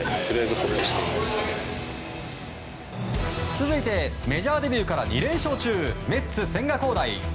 続いてメジャーデビューから２連勝中メッツ、千賀滉大。